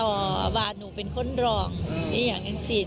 เจ้าเต้นได้บ้างฟ้าแบ๊กพิง